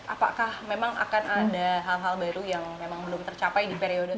apakah memang akan ada hal hal baru yang memang belum tercapai di periode